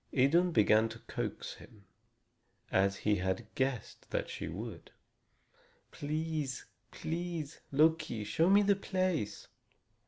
Idun began to coax him, as he had guessed that she would: "Please, please, Loki, show me the place!"